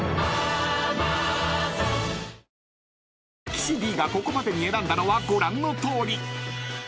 ［岸Ｄがここまでに選んだのはご覧のとおり］